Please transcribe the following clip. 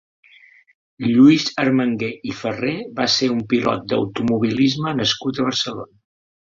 Lluís Armangué i Farré va ser un pilot d'automobilisme nascut a Barcelona.